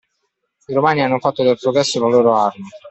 I romani hanno fatto del progresso la loro arma!